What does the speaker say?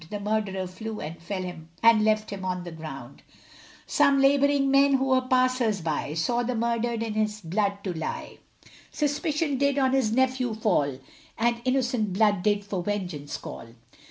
The murderer flew and left him on the ground Some labouring men who were passers by, Saw the murdered in his blood to lie; Suspicion did on his nephew fall, And innocent blood did for vengeance call.